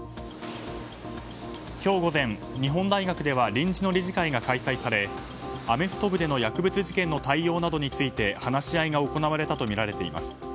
今日午前、日本大学では臨時の理事会が開催されアメフト部での薬物事件の対応などについて話し合いが行われたとみられています。